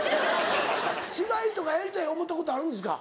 芝居とかやりたい思ったことあるんですか？